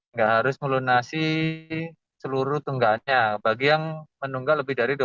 nggak harus melunasi seluruh tunggakannya bagi yang menunggak lebih dari dua puluh empat bulan